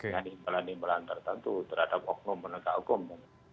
dan imbalan imbalan tertentu terhadap hukum menegak hukum